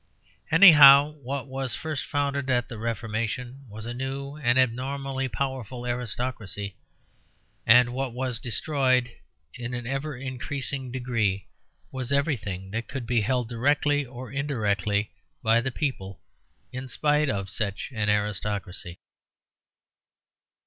Anyhow, what was first founded at the Reformation was a new and abnormally powerful aristocracy, and what was destroyed, in an ever increasing degree, was everything that could be held, directly or indirectly, by the people in spite of such an aristocracy.